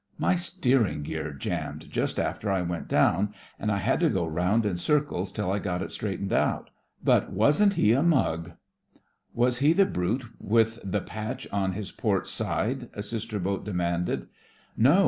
"My steering gear jammed just after I went down, and I had to go round in circles till I got it straight ened out. But wasn't he a mug!" 42 THE FRINGES OF THE FLEET "Was he the brute with the patch on his port side? " a sister boat de manded. "No!